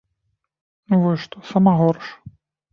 Вось што сама горш!